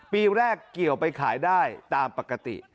ปีแรกเกี่ยวไปขายได้ตามปกติ